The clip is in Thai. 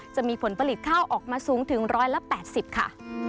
จะมีผลผลิตข้าวออกมาสูงถึง๑๘๐ค่ะ